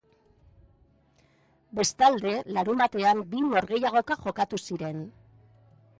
Bestalde, larunbatean bi norgehiagoka jokatu ziren.